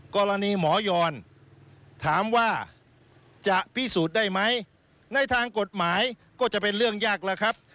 กรณีหมอยอนถามว่าจะพิสูจน์ได้ไหมในทางกฎหมายก็จะเป็นเรื่องยากแล้วครับ